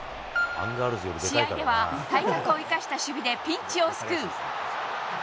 試合では体格を生かした守備でピンチを救う。